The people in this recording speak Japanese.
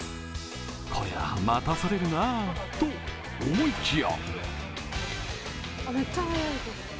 こりゃ、待たされるなと思いきや！